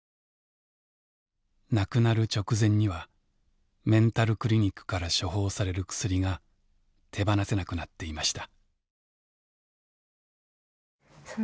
亡くなる直前にはメンタルクリニックから処方される薬が手放せなくなっていました。